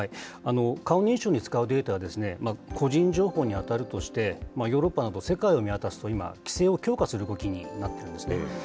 顔認証に使うデータは、個人情報に当たるとして、ヨーロッパなど世界を見渡すと今、規制を強化する動きになっているんですね。